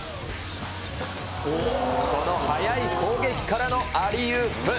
この速い攻撃からのアリウープ。